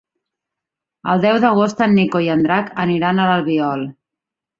El deu d'agost en Nico i en Drac aniran a l'Albiol.